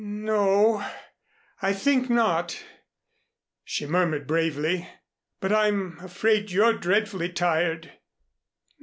"N o, I think not," she murmured bravely. "But I'm afraid you're dreadfully tired."